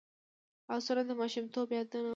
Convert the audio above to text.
لاسونه د ماشومتوب یادونه ده